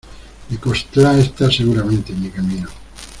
Necoxtla, está seguramente en mi camino.